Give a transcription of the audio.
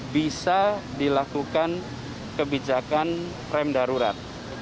bisa dilakukan kebijakan rem darurat